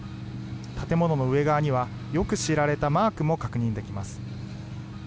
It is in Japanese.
建物の上側には、よく知られたマークも確認できます。